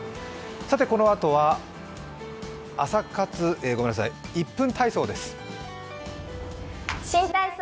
このあとは「１分体操」です。